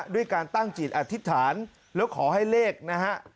ด้วยการตั้งจิตอธิษฐานแล้วขอให้เลขนะฮะ